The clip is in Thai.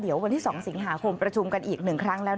เดี๋ยววันที่๒สิงหาคมประชุมกันอีก๑ครั้งแล้ว